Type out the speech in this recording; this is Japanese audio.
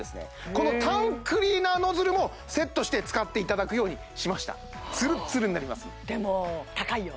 このタンクリーナーノズルもセットして使っていただくようにしましたツルッツルになりますでも高いよ